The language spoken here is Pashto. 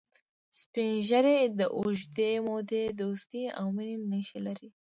سپین ږیری د اوږدې مودې دوستی او مینې نښې لري